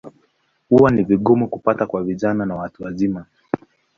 Huwa ni vigumu kupata kwa vijana na watu wazima.